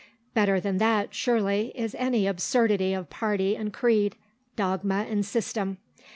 Better than that, surely, is any absurdity of party and creed, dogma and system.